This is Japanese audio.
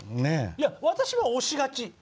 いや私は押しがち。